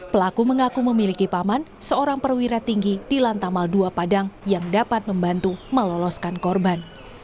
pelaku mengaku memiliki paman seorang perwira tinggi di lantamal dua padang yang dapat membantu meloloskan korban